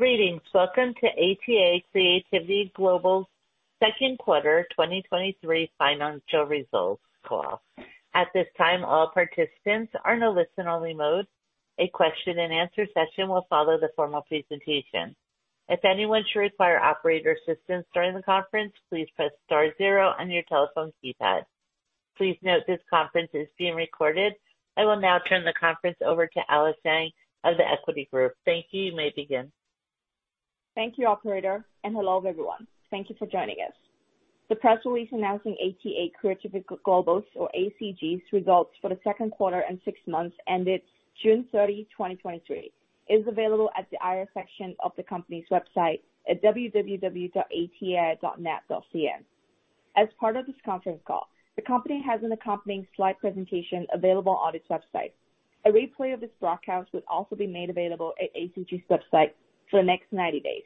Greetings. Welcome to ATA Creativity Global's Second Quarter 2023 Financial Results Call. At this time, all participants are in a listen-only mode. A question-and-answer session will follow the formal presentation. If anyone should require operator assistance during the conference, please press star zero on your telephone keypad. Please note this conference is being recorded. I will now turn the conference over to Alice Zhang of The Equity Group. Thank you. You may begin. Thank you, operator. Hello, everyone. Thank you for joining us. The press release announcing ATA Creativity Global's, or ACG's, results for the second quarter and six months ended 30 June 2023, is available at the IR section of the company's website at www.atai.net.cn. As part of this conference call, the company has an accompanying slide presentation available on its website. A replay of this broadcast will also be made available at ACG's website for the next 90 days.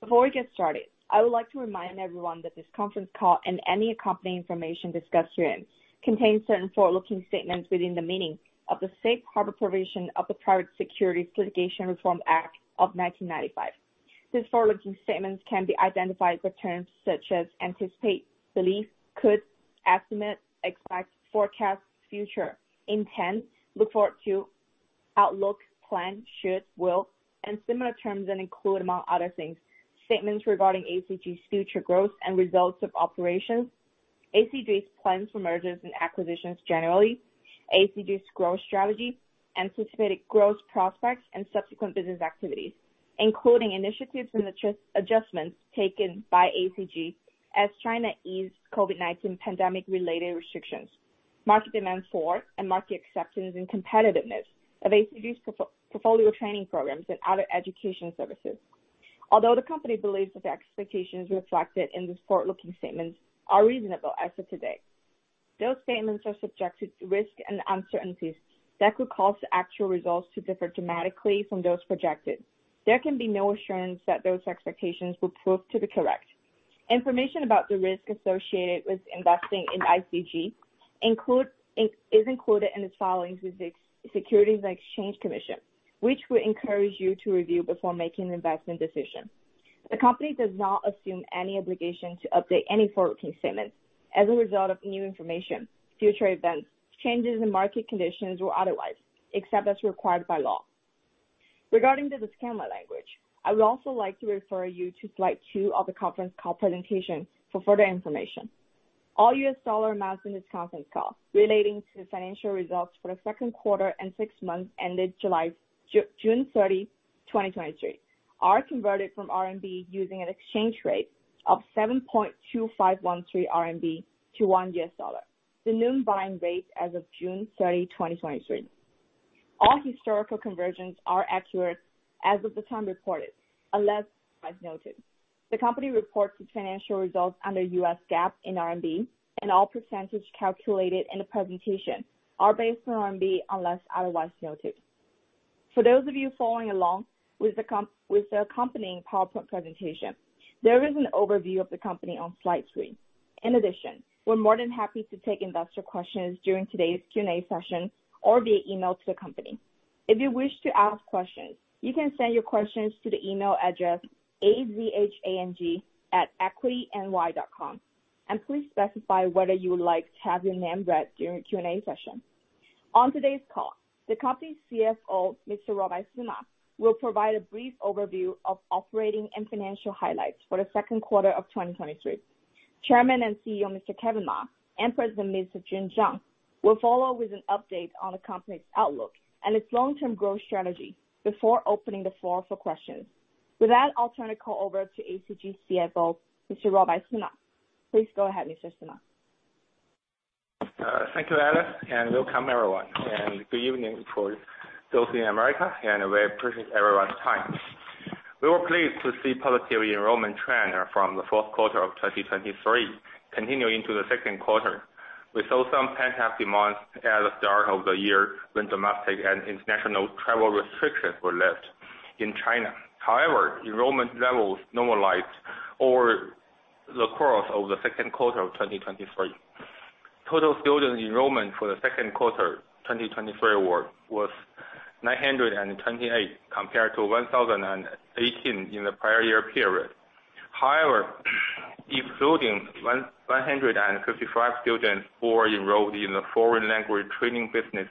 Before we get started, I would like to remind everyone that this conference call and any accompanying information discussed herein contains certain forward-looking statements within the meaning of the Safe Harbor provision of the Private Securities Litigation Reform Act of 1995. These forward-looking statements can be identified with terms such as anticipate, believe, could, estimate, expect, forecast, future, intent, look forward to, outlook, plan, should, will, and similar terms, and include, among other things, statements regarding ACG's future growth and results of operations, ACG's plans for mergers and acquisitions generally, ACG's growth strategy, anticipated growth prospects and subsequent business activities. Including initiatives and adjustments taken by ACG as China eased COVID-19 pandemic-related restrictions, market demand for and market acceptance and competitiveness of ACG's portfolio training programs and other education services. Although the company believes that the expectations reflected in these forward-looking statements are reasonable as of today, those statements are subjected to risks and uncertainties that could cause the actual results to differ dramatically from those projected. There can be no assurance that those expectations will prove to be correct. Information about the risks associated with investing in ACG is included in its filings with the Securities and Exchange Commission, which we encourage you to review before making an investment decision. The company does not assume any obligation to update any forward-looking statements as a result of new information, future events, changes in market conditions, or otherwise, except as required by law. Regarding the disclaimer language, I would also like to refer you to slide two of the conference call presentation for further information. All US dollar amounts in this conference call relating to the financial results for the second quarter and six months ended 30 June 2023, are converted from RMB using an exchange rate of 7.2513 RMB to $1, the noon buying rate as of 30 June 2023. All historical conversions are accurate as of the time reported, unless otherwise noted. The company reports its financial results under US GAAP in RMB, and all percentages calculated in the presentation are based on RMB, unless otherwise noted. For those of you following along with the accompanying PowerPoint presentation, there is an overview of the company on slide 3. In addition, we're more than happy to take investor questions during today's Q&A session or via email to the company. If you wish to ask questions, you can send your questions to the email address, azhang@equityny.com, and please specify whether you would like to have your name read during the Q&A session. On today's call, the company's CFO, Mr. Ruobai Sima, will provide a brief overview of operating and financial highlights for the second quarter of 2023. Chairman and CEO, Mr. Kevin Ma, and President, Mr. Jun Zhang will follow with an update on the company's outlook and its long-term growth strategy before opening the floor for questions. With that, I'll turn the call over to ACG's CFO, Mr. Ruobai Sima. Please go ahead, Mr. Sima. Thank you, Alice, and welcome, everyone, and good evening for those in America, and we appreciate everyone's time. We were pleased to see positive enrollment trend from the fourth quarter of 2023 continue into the second quarter. We saw some pent-up demands at the start of the year when domestic and international travel restrictions were lifted in China. However, enrollment levels normalized over the course of the second quarter of 2023. Total student enrollment for the second quarter 2023 was 928, compared to 1,018 in the prior year period. However, excluding 155 students who were enrolled in the foreign language training business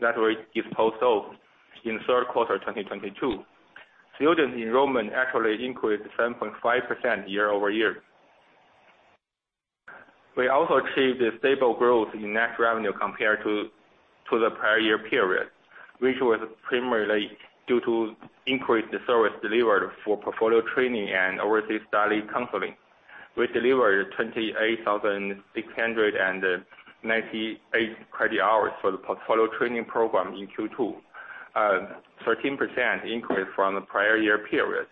that were disposed of in the third quarter of 2022, student enrollment actually increased 7.5% year-over-year. We also achieved a stable growth in net revenue compared to the prior year period, which was primarily due to increased service delivered for portfolio training and overseas study counseling. We delivered 28,698 credit hours for the portfolio training program in second quarter, a 13% increase from the prior year period.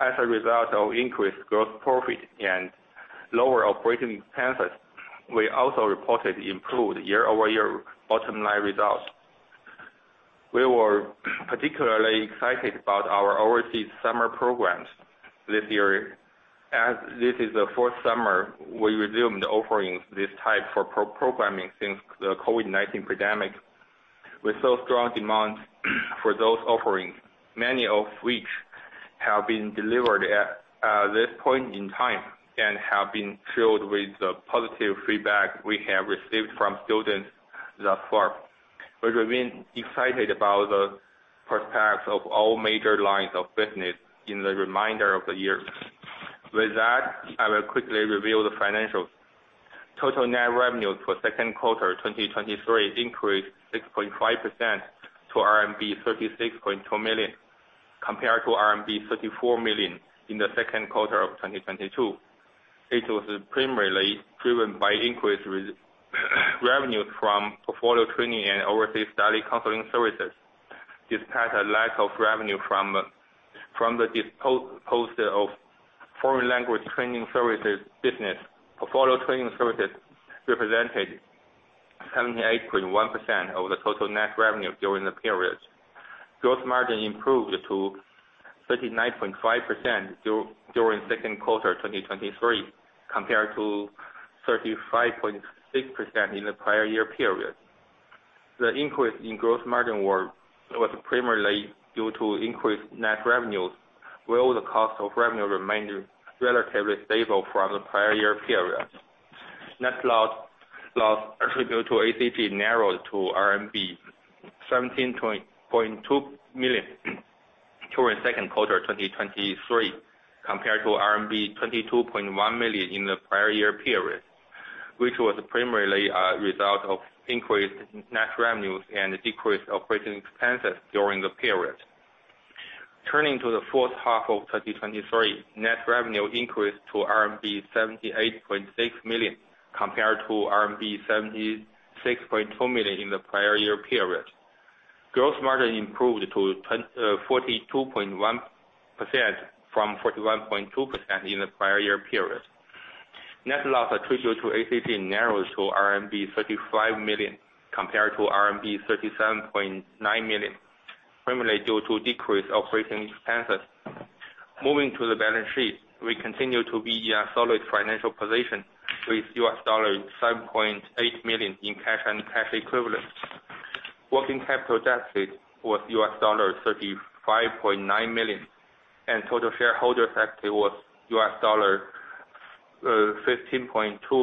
As a result of increased gross profit and lower operating expenses, we also reported improved year-over-year bottom-line results. We were particularly excited about our overseas summer programs this year. As this is the fourth summer, we resumed offering this type for pro-programming since the COVID-19 pandemic. We saw strong demand for those offerings, many of which have been delivered at this point in time and have been filled with the positive feedback we have received from students thus far. We remain excited about the prospects of all major lines of business in the remainder of the year. I will quickly review the financials. Total net revenue for second quarter 2023 increased 6.5% to RMB 36.2 million, compared to RMB 34 million in the second quarter of 2022. It was primarily driven by increased revenue from portfolio training and overseas study counseling services, despite a lack of revenue from the disposal of foreign language training services business. Portfolio training services represented 78.1% of the total net revenue during the period. Gross margin improved to 39.5% during second quarter 2023, compared to 35.6% in the prior year period. The increase in gross margin was primarily due to increased net revenues, where the cost of revenue remained relatively stable from the prior year period. Net loss attributed to ACG narrowed to RMB 17.2 million during second quarter 2023, compared to RMB 22.1 million in the prior year period, which was primarily a result of increased net revenues and decreased operating expenses during the period. Turning to the fourth half of 2023, net revenue increased to RMB 78.6 million, compared to RMB 76.2 million in the prior year period. Gross margin improved to 42.1% from 41.2% in the prior year period. Net loss attributed to ACG narrows to RMB 35 million, compared to RMB 37.9 million, primarily due to decreased operating expenses. Moving to the balance sheet, we continue to be a solid financial position with $7.8 million in cash and cash equivalents. Working capital deficit was $35.9 million, and total shareholders' equity was $15.2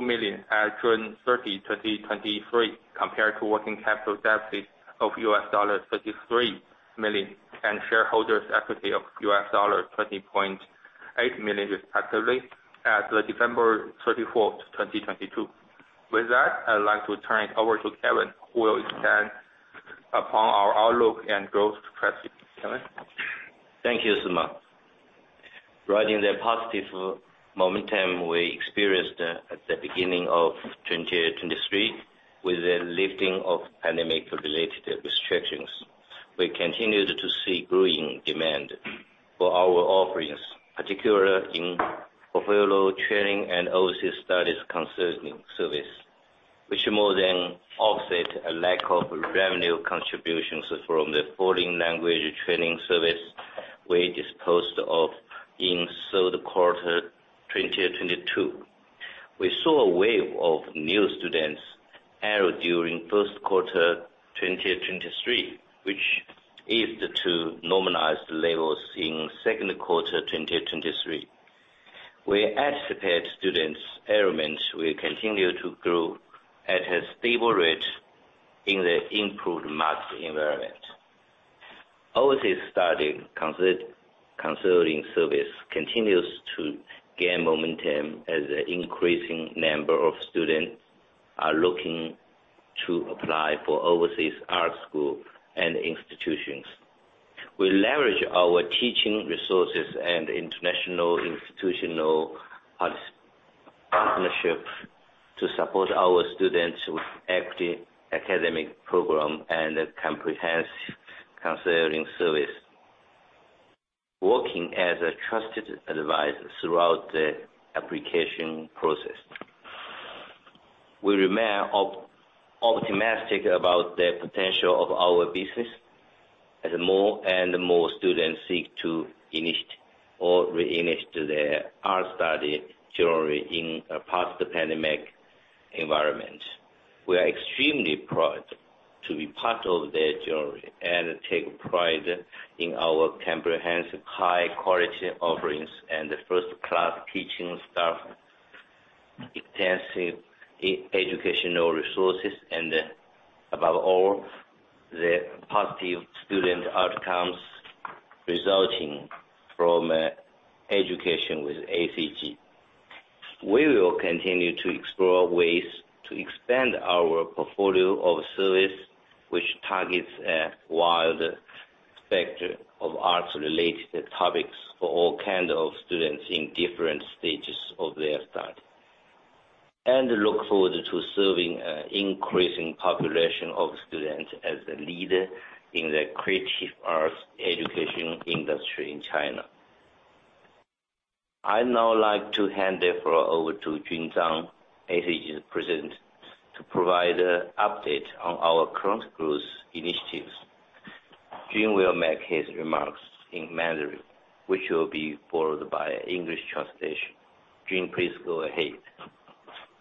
million as 30 June 2023, compared to working capital deficit of $33 million, and shareholders' equity of $20.8 million, respectively, as of 24 December 2022. With that, I'd like to turn it over to Kevin, who will expand upon our outlook and growth strategy. Kevin? Thank you, Sima. Riding the positive momentum we experienced at the beginning of 2023, with the lifting of pandemic-related restrictions, we continued to see growing demand for our offerings, particularly in portfolio training and overseas studies counseling service, which more than offset a lack of revenue contributions from the foreign language training service we disposed of in third quarter 2022. We saw a wave of new students enroll during first quarter 2023, which is to normalize the levels in second quarter 2023. We anticipate students' enrollment will continue to grow at a stable rate in the improved market environment. Overseas study counseling service continues to gain momentum as an increasing number of students are looking to apply for overseas art school and institutions. We leverage our teaching resources and international institutional partnerships to support our students with active academic program and a comprehensive counseling service, working as a trusted advisor throughout the application process. We remain optimistic about the potential of our business as more and more students seek to initiate or re-initiate their art study journey in a post-pandemic environment. We are extremely proud to be part of their journey, and take pride in our comprehensive, high-quality offerings and first-class teaching staff, extensive educational resources, and, above all, the positive student outcomes resulting from education with ACG. We will continue to explore ways to expand our portfolio of service, which targets a wide spectrum of arts-related topics for all kind of students in different stages of their study. Look forward to serving an increasing population of students as a leader in the creative arts education industry in China. I'd now like to hand it over to Jun Zhang, ACG's president, to provide an update on our current growth initiatives. Jun will make his remarks in Mandarin, which will be followed by English translation. Jun, please go ahead.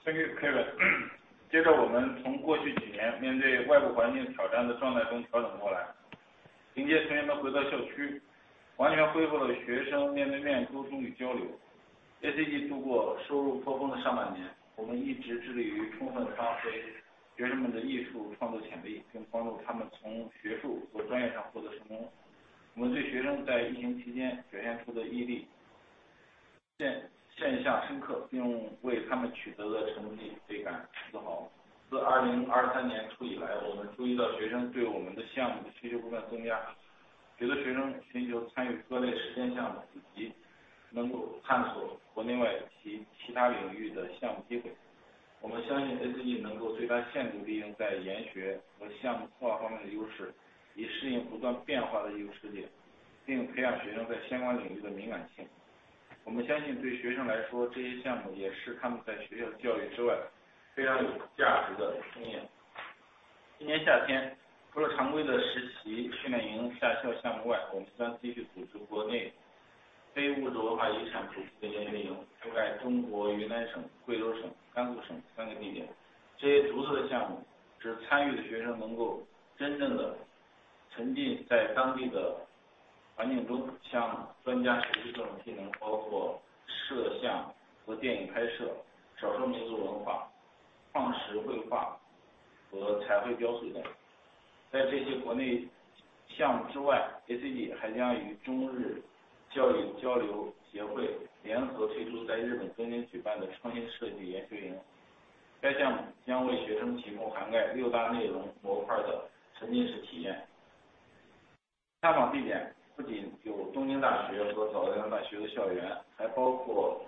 Thank you, Kevin. 接 着， 我们从过去几年面对外部环境挑战的状态中调整过 来， 迎接同学们回到校 区， 完全恢复了学生面对面沟通与交流。ACG 度过收入颇丰的上半年，我们一直致力于充分发挥学生们的艺术创作潜 力， 并帮助他们从学术和专业上获得成功。我们对学生在疫情期间展现出的毅 力， 印-印象深 刻， 并为他们取得的成绩倍感自豪。自二零二三年初以 来， 我们注意到学生对我们的项目的需求不断增 加， 许多学生寻求参与各类实践项 目， 以及能够探索国内外及其他领域的项目机会。我们相信 ACG 能够最大限度地用在研学和项目规划方面的优 势， 以适应不断变化的艺术世 界， 并培养学生在相关领域的敏感性。我们相 信， 对学生来 说， 这些项目也是他们在学校的教育之外非常有价值的经验。今年夏 天， 除了常规的实习、训练营、夏校项目 外， 我们将继续组织国内非物质文化遗产主题的研究内 容， 覆盖中国云南省、贵州省、甘肃省三个地点。这些独特的项 目， 使参与的学生能够真正地沉浸在当地的环境 中， 向专家学习各种技 能， 包括摄像和电影拍摄、少数民族文化、矿石绘画和彩绘雕塑等。在这些国内项目之外 ，ACG 还将与中日教育交流协会联合推出在日本东京举办的创新设计研修营。该项目将为学生提供涵盖六大内容模块的沉浸式体验。参观地点不仅有东京大学和早稻田大学的校 园， 还包括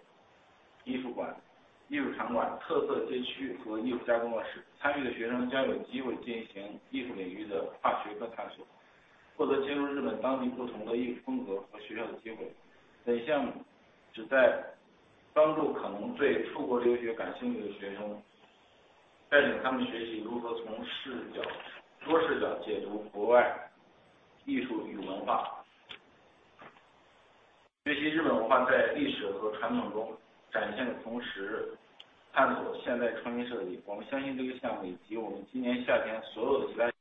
艺术馆、艺术场馆、特色街区和艺术家工作室。参与的学生将有机会进行艺术领域的化学和探 索， 获得接触日本当地不同的艺术风格和学校的机会。本项目旨在帮助可能对出国留学感兴趣的学 生， 带领他们学习如何从视 角， 多视角解读国外艺术与文化。学习日本文化在历史和传统中展现的同 时， 探索现代创新设计。我们相 信， 这个项目以及我们今年夏天所有 的...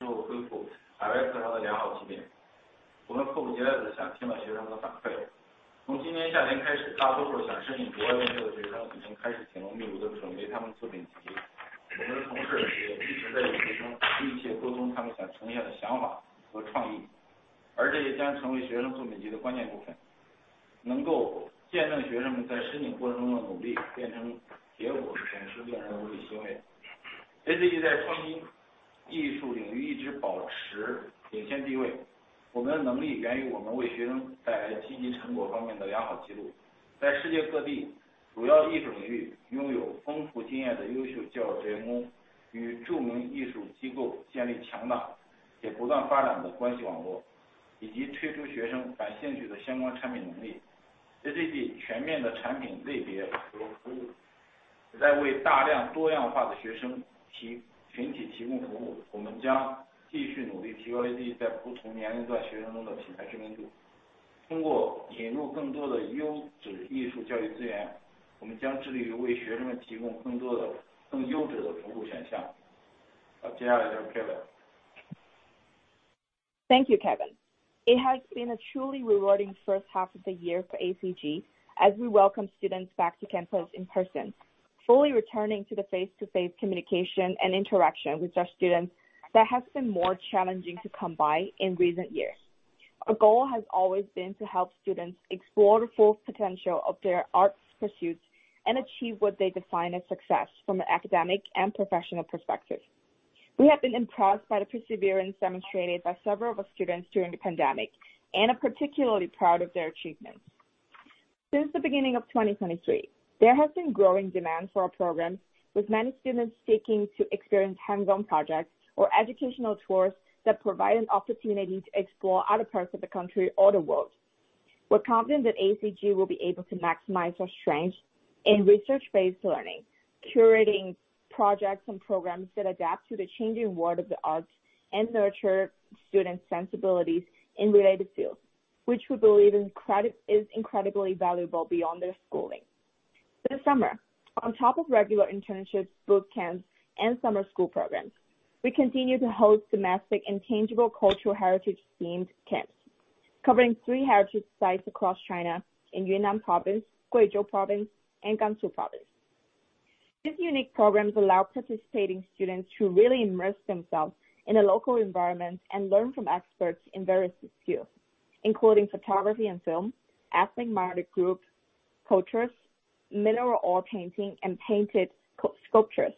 收入恢复海外市场的良好起点。我们迫不及待地想听到学生的反馈。从今年夏天开 始， 大多数想申请国外院校的学生已经开始紧张地努力准备他们的作品 集， 我们的同事也一直在与学生密切沟通他们想呈现的想法和创 意， 而这也将成为学生作品集的关键部分。能够见证学生们在申请过程中的努力变成结 果， 真是令人无比欣慰。ACG 在创新艺术领域一直保持领先地位，我们的能力源于我们为学生带来积极成果方面的良好记录。在世界各 地， 主要的艺术领域拥有丰富经验的优秀教职员 工， 与著名艺术机构建立强大也不断发展的关系网 络， 以及推出学生感兴趣的相关产品能力 ，ACG 全面的产品类别和服 务， 在为大量多样化的学生群体提供服务。我们将继续努力提高 ACG 在不同年龄段学生中的品牌知名 度， 通过引入更多的优质艺术教育资 源， 我们将致力于为学生们提供更多的更优质的服务选项。好， 接下来是 Kevin。Thank you, Kevin. It has been a truly rewarding first half of the year for ACG, as we welcome students back to campus in person, fully returning to the face to face communication and interaction with our students that has been more challenging to come by in recent years. Our goal has always been to help students explore the full potential of their arts pursuits and achieve what they define as success from an academic and professional perspective. We have been impressed by the perseverance demonstrated by several of our students during the pandemic and are particularly proud of their achievements. Since the beginning of 2023, there has been growing demand for our programs, with many students seeking to experience hands-on projects or educational tours that provide an opportunity to explore other parts of the country or the world. We're confident that ACG will be able to maximize our strength in research-based learning, curating projects and programs that adapt to the changing world of the arts, and nurture student sensibilities in related fields, which we believe is incredibly valuable beyond their schooling. This summer, on top of regular internships, boot camps, and summer school programs, we continue to host domestic and tangible cultural heritage-themed camps, covering three heritage sites across China in Yunnan Province, Guizhou Province, and Gansu Province. These unique programs allow participating students to really immerse themselves in a local environment and learn from experts in various fields, including photography and film, ethnic minor groups, cultures, mineral oil painting, and painted sculptures.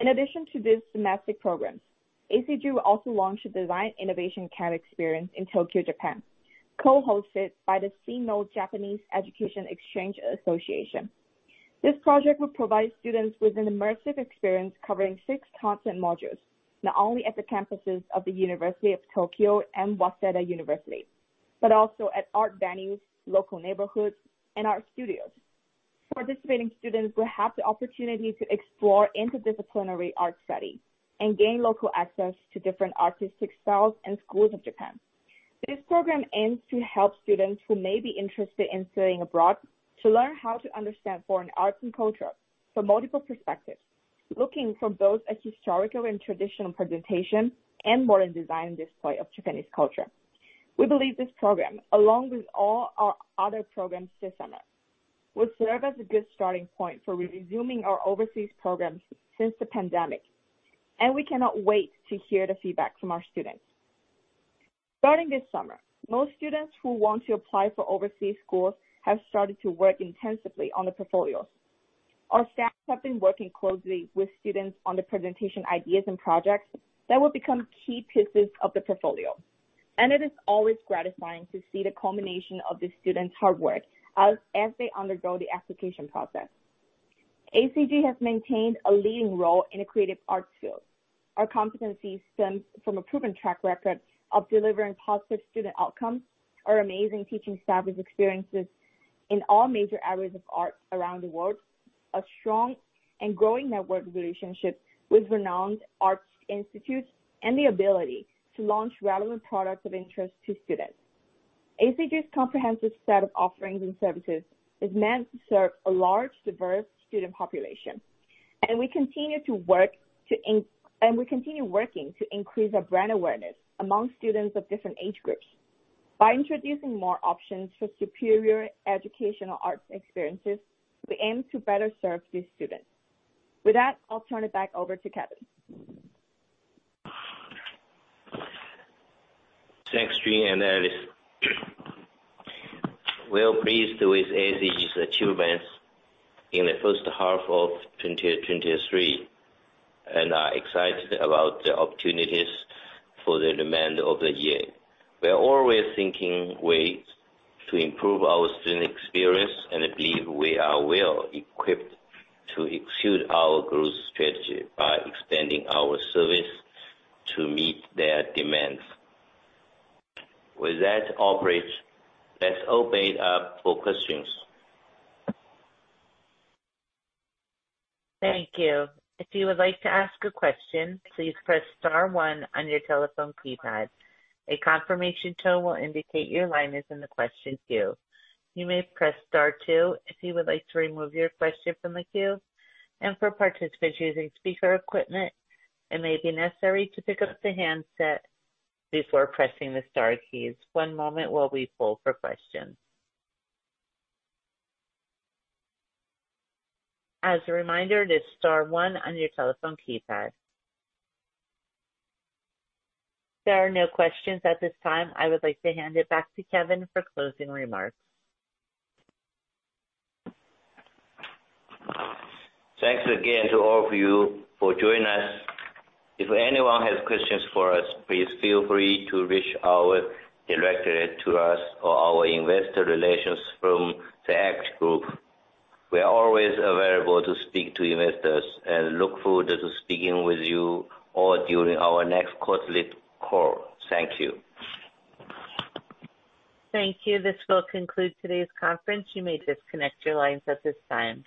In addition to these domestic programs, ACG will also launch a design innovation camp experience in Tokyo, Japan, co-hosted by the Sino-Japanese Education Exchange Association. This project will provide students with an immersive experience covering six content modules, not only at the campuses of the University of Tokyo and Waseda University, but also at art venues, local neighborhoods, and art studios. Participating students will have the opportunity to explore interdisciplinary art studies and gain local access to different artistic styles and schools of Japan. This program aims to help students who may be interested in studying abroad, to learn how to understand foreign arts and culture from multiple perspectives, looking from both a historical and traditional presentation and modern design display of Japanese culture. We believe this program, along with all our other programs this summer, will serve as a good starting point for resuming our overseas programs since the pandemic, and we cannot wait to hear the feedback from our students. Starting this summer, most students who want to apply for overseas schools have started to work intensively on the portfolios. Our staff have been working closely with students on the presentation ideas and projects that will become key pieces of the portfolio, it is always gratifying to see the culmination of the students' hard work as they undergo the application process. ACG has maintained a leading role in the creative arts field. Our competency stems from a proven track record of delivering positive student outcomes. Our amazing teaching staff with experiences in all major areas of art around the world, a strong and growing network relationship with renowned arts institutes, and the ability to launch relevant products of interest to students. ACG's comprehensive set of offerings and services is meant to serve a large, diverse student population, and we continue working to increase our brand awareness among students of different age groups. By introducing more options for superior educational arts experiences, we aim to better serve these students. With that, I'll turn it back over to Kevin. Thanks, Jun and Alice. We're pleased with ACG's achievements in the first half of 2023 and are excited about the opportunities for the remainder of the year. We are always thinking ways to improve our student experience, and believe we are well-equipped to execute our growth strategy by extending our service to meet their demands. With that Operator, let's open it up for questions. Thank you. If you would like to ask a question, please press star one on your telephone keypad. A confirmation tone will indicate your line is in the question queue. You may press star two if you would like to remove your question from the queue, and for participants using speaker equipment, it may be necessary to pick up the handset before pressing the star keys. One moment while we pull for questions. As a reminder, it is star one on your telephone keypad. There are no questions at this time. I would like to hand it back to Kevin for closing remarks. Thanks again to all of you for joining us. If anyone has questions for us, please feel free to reach out directly to us or our investor relations from The Equity Group. We are always available to speak to investors and look forward to speaking with you all during our next quarterly call. Thank you. Thank you. This will conclude today's conference. You may disconnect your lines at this time.